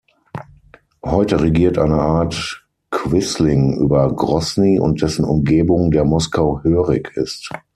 Heute regiert eine Art Quisling über Grosny und dessen Umgebung, der Moskau hörig ist.